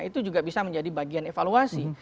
itu juga bisa menjadi bagian evaluasi